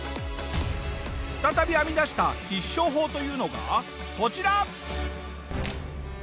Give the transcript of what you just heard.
再び編みだした必勝法というのがこちら！